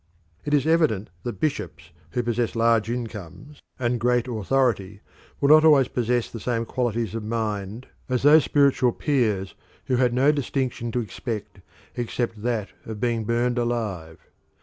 It is evident that bishops who possess large incomes and great authority will not always possess the same qualities of mind as those spiritual peers who had no distinction to expect except that of being burnt alive.